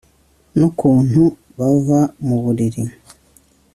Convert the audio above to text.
Nukuntu bava muburiri